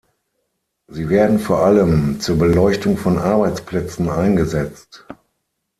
Sie werden vor allem zur Beleuchtung von Arbeitsplätzen eingesetzt.